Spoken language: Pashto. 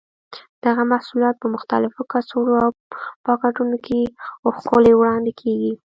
دغه محصولات په مختلفو کڅوړو او پاکټونو کې ښکلي وړاندې کېږي.